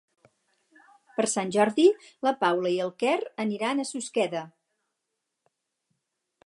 Per Sant Jordi na Paula i en Quer aniran a Susqueda.